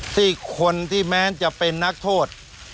ที่คนที่แม้จะเป็นนักโทษ